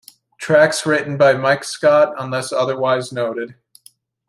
Tracks written by Mike Scott, unless otherwise noted.